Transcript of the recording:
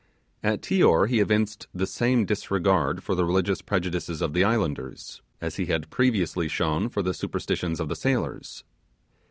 At Tior he evinced the same disregard for the religious prejudices of the islanders, as he had previously shown for the superstitions of the sailors.